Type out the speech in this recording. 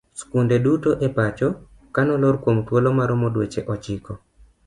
Skunde duto e pacho ka nolor kuom thuolo maromo dweche ochiko.